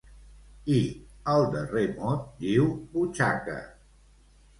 I el darrer mot diu butxaca.